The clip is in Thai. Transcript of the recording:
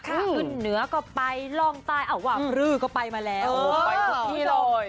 ขึ้นเหนือก็ไปร่องใต้ว่างรือก็ไปมาแล้วไปทุกที่เลย